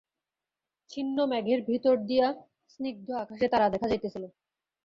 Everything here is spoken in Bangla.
ছিন্ন মেঘের ভিতর দিয়া স্নিগ্ধ আকাশে তারা দেখা যাইতেছিল।